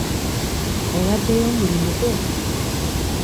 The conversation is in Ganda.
Owaddeyo omulimu gwo?